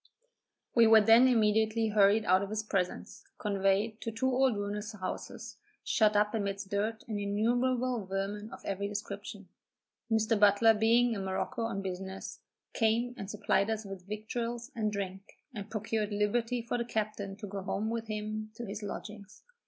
We were then immediately hurried out of his presence, conveyed to two old ruinous houses, shut up amidst dirt and innumerable vermin of every description. Mr. Butler being at Morocco on business, came and supplied us with victuals and drink, and procured liberty for the captain to go home with him to his lodgings.